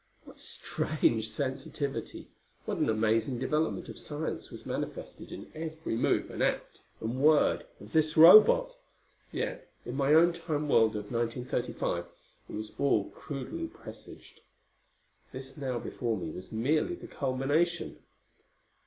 What strange sensitivity! What an amazing development of science was manifested in every move and act and word of this Robot! Yet, in my own Time world of 1935, it was all crudely presaged: this now before me was merely the culmination.